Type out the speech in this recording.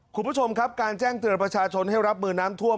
คุณผู้ชมครับการแจ้งเตือนประชาชนให้รับมือน้ำท่วม